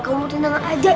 kamu tenang aja